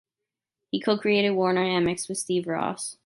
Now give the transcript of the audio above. He co-created Warner-Amex with Steve Ross.